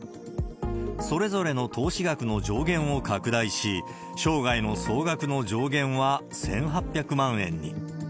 それぞれの投資額の上限を拡大し、生涯の総額の上限は１８００万円に。